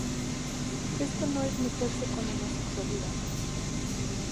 Esto no es meterse con la homosexualidad.